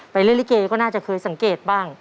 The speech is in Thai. ไปเรื่องริเกย์ก็น่าจะเคยสังเกตบ้าง